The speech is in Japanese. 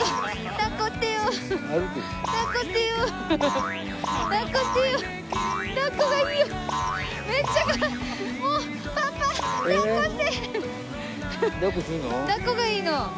抱っこがいいの？